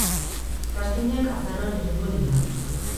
Castingak azaroan egingo dira.